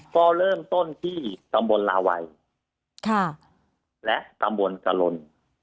ก็เริ่มต้นที่ตำบลลาวัยและตำบลกะลน